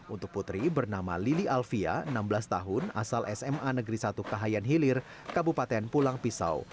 untuk putri bernama lili alfia enam belas tahun asal sma negeri satu kahayan hilir kabupaten pulang pisau